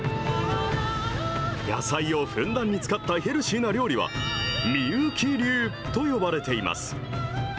野菜をふんだんに使ったヘルシーな料理は、美幸流と呼ばれています。